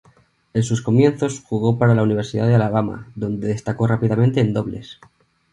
En sus comienzos jugó para la Universidad de Alabama donde destacó rápidamente en dobles.